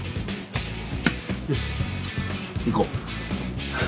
よし行こう。